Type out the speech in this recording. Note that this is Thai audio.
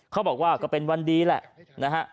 เขาบอกว่าก็เป็นวันดีแหละนะฮะ